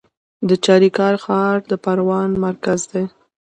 د چاریکار ښار د پروان مرکز دی